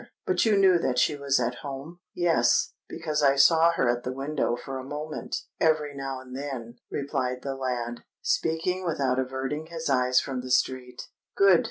"But you knew that she was at home?" "Yes: because I saw her at the window for a moment, every now and then," replied the lad, speaking without averting his eyes from the street. "Good!"